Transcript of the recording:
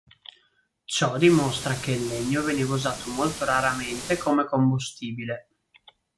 Ciò dimostra che il legno veniva usato molto raramente come combustibile.